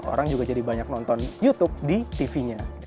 orang juga jadi banyak nonton youtube di tv nya